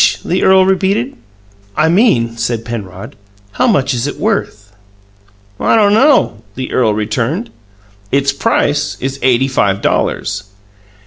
the earl repeated. "I mean," said Penrod, "how much is it worth?" "I don't know," the earl returned. "Its price is eighty five dollars."